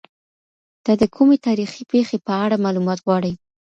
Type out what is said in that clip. ته د کومې تاريخي پېښې په اړه معلومات غواړې؟